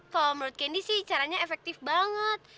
kalau menurut kendi sih caranya efektif banget